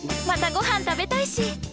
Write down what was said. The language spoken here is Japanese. またごはん食べたいし。